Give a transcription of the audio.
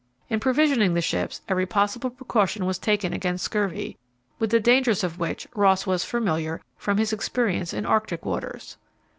In provisioning the ships, every possible precaution was taken against scurvy, with the dangers of which Ross was familiar from his experience in Arctic waters.